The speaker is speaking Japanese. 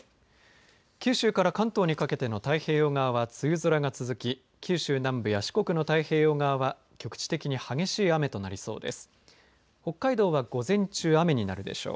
九州から関東にかけての太平洋側は梅雨空が続き九州南部や四国の太平洋側は局地的に激しい雨となりそうです。